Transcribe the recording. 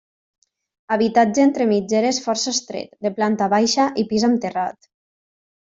Habitatge entre mitgeres força estret, de planta baixa i pis amb terrat.